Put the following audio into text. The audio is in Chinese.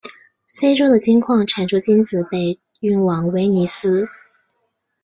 非洲的金矿产出金子被运往威尼斯。